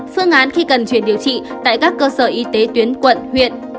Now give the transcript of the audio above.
phương án khi cần chuyển điều trị tại các cơ sở y tế tuyến quận huyện